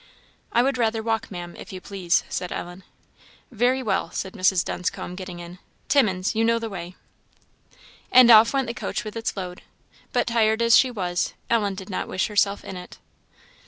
"I would rather walk, Maam, if you please," said Ellen. "Very well," said Mrs. Dunscombe, getting in; "Timmins, you know the way." And off went the coach with its load; but, tired as she was, Ellen did not wish herself in it.